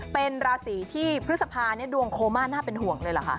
เป็นราศีที่พฤษภาเนี่ยดวงโคม่าน่าเป็นห่วงเลยเหรอคะ